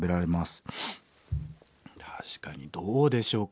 確かにどうでしょうか？